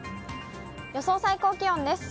予想最高気温です。